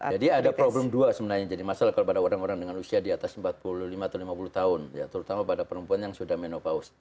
jadi ada problem dua sebenarnya jadi masalah kalau pada orang orang dengan usia di atas empat puluh lima atau lima puluh tahun ya terutama pada perempuan yang sudah menopaus